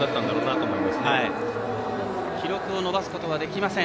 記録を伸ばすことはできません。